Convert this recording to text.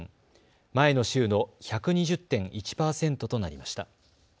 前の週の１２０．１％となりました。